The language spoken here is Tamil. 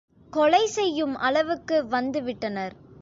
கொலை செய்யும் அளவுக்கு வந்துவிட்டனர்.